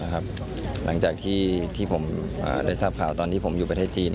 หลังจากที่ผมได้ทราบข่าวตอนที่ผมอยู่ประเทศจีน